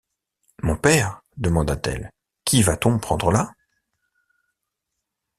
Mon père, demanda-t-elle, qui va-t-on pendre là?